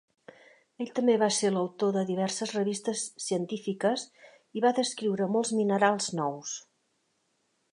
Ell també va ser l"autor de diverses revistes científiques i va descriure molts minerals nous.